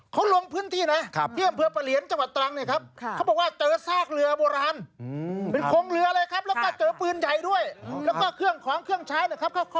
เขาลงพื้นที่นะเพื่อเปลี่ยนจังหวัดตรังเนี่ยครับ